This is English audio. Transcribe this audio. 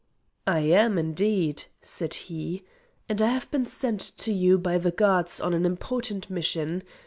"I am, indeed," said he, "and I have been sent to you by the gods on an important mission.